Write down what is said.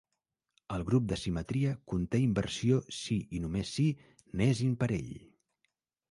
El grup de simetria conté inversió si i només si n és imparell.